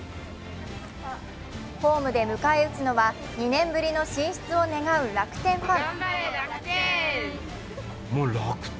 ホームで迎え撃つのは２年ぶりの進出を願う楽天ファン。